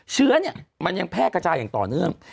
เชื้อเนี่ยมันยังแพร่กระจายอย่างต่อเนื่อง